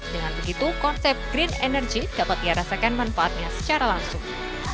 dengan begitu konsep green energy dapat dia rasakan manfaatnya secara langsung